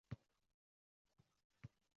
– balki kenja farzand bo‘lganim uchundir